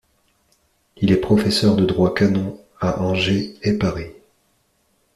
Il est professeur de droit canon à Angers et Paris.